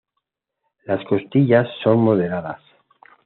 Las costillas son moderadas.